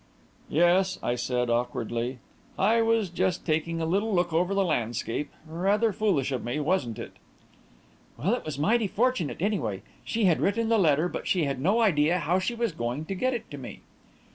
"Yes," I said, awkwardly. "I was just taking a little look over the landscape. Rather foolish of me, wasn't it?" "Well, it was mighty fortunate, anyway. She had written the letter, but she had no idea how she was going to get it to me."